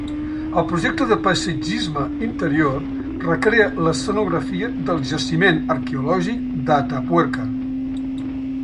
El projecte de paisatgisme interior recrea l'escenografia del Jaciment arqueològic d'Atapuerca.